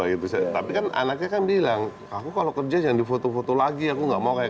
gitu tapi kan anaknya kan bilang aku kalau kerja jangan di foto foto lagi aku nggak mau kayak